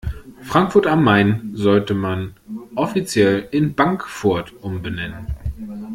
Frankfurt am Main sollte man offiziell in Bankfurt umbenennen.